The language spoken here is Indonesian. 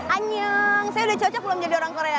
anyeng saya udah cocok belum jadi orang korea